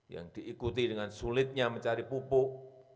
yang diikuti dengan sulitnya mencari pupuk